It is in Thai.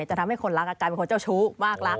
จะทำให้คนรักกลายเป็นคนเจ้าชู้มากรัก